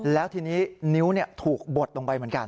แล้วทีนี้นิ้วถูกบดลงไปเหมือนกัน